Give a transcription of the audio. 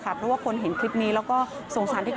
เพราะว่าคนเห็นคลิปนี้แล้วก็สงสารเด็ก